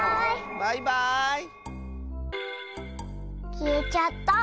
きえちゃった。